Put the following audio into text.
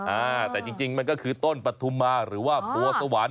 อ่าแต่จริงมันก็คือต้นปฐุมมาหรือว่าบัวสวรรค์